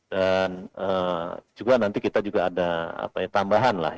dan juga nanti kita juga ada tambahan lah